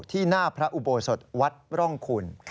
ที่หน้าพระอุโปสศวัดร่องขุน